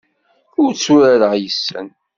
Ur tturareɣ yes-sen.